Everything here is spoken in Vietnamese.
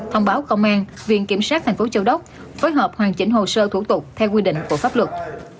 thông báo công an viện kiểm soát thành phố châu đốc phối hợp hoàn chỉnh hồ sơ thủ tục theo quy định của pháp luật